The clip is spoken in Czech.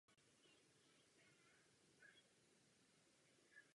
Vystudoval gymnázium v Krakově a práva na Jagellonské univerzitě.